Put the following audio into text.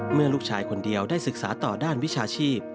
ลูกชายคนเดียวได้ศึกษาต่อด้านวิชาชีพ